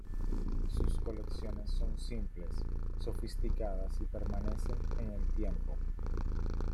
Sus colecciones son simples, sofisticadas y permanecen en el tiempo.